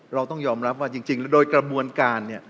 เราต้องยอมรับว่าจริงโดยกระบวนการเนี่ย